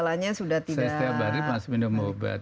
saya setiap hari minum obat